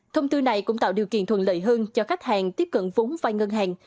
thông tư này cũng tạo điều kiện thuận lợi hơn cho khách hàng tiếp cận vốn vai ngân hàng